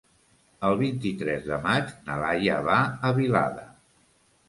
El vint-i-tres de maig na Laia va a Vilada.